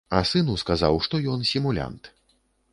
А сыну сказаў, што ён сімулянт.